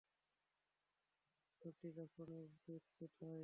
ছোটি, জাফরানের দুধ কোথায়?